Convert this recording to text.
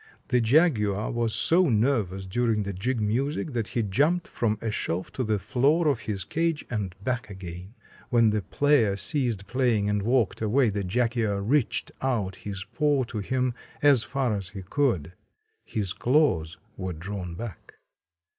"The jaguar was so nervous during the jig music that he jumped from a shelf to the floor of his cage and back again. When the player ceased playing and walked away the jaguar reached out his paw to him as far as he could. His claws were drawn back.